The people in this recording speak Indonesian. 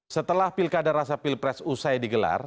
setelah pilkada rasa pilpres usai digelar